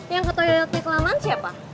yang ketoyotik laman siapa